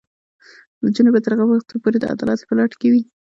نجونې به تر هغه وخته پورې د عدالت په لټه کې وي.